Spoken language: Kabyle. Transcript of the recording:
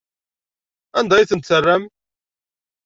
Anda ay tent-terram?